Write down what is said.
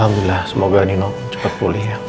alhamdulillah semoga nino cepat pulih ya